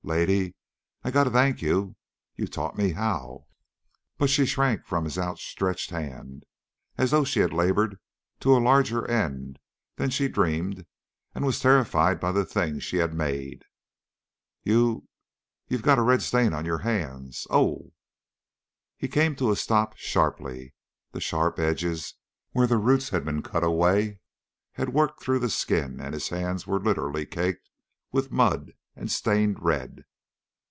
"Lady, I got to thank you. You taught me how!" But she shrank from his outstretched hand as though she had labored to a larger end than she dreamed and was terrified by the thing she had made. "You you got a red stain on your hands. Oh!" He came to a stop sharply. The sharp edges, where the roots had been cut away had worked through the skin and his hands were literally caked with mud and stained red.